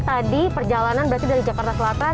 tadi perjalanan berarti dari jakarta selatan